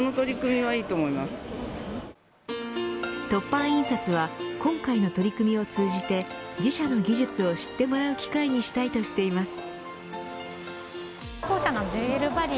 凸版印刷は今回の取り組みを通じて自社の技術を知ってもらう機会にしたいとしています。